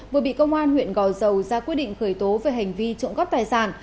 vừa bị công an huyện gò dầu ra quyết định khởi tố về hành vi trộm cắp tài sản